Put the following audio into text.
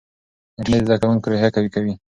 انټرنیټ د زده کوونکو روحیه قوي ساتي.